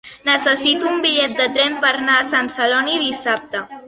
Necessito un bitllet de tren per anar a Sant Celoni dissabte.